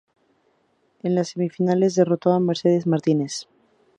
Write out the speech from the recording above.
En las semifinales, derrotó a Mercedes Martinez.